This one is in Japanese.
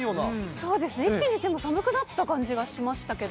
そうですね、一気にでも、寒くなったような感じがしましたけど。